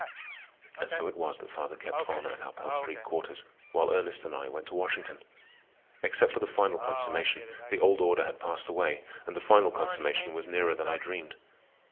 And so it was that father kept on at our Pell Street quarters, while Ernest and I went to Washington. Except for the final consummation, the old order had passed away, and the final consummation was nearer than I dreamed.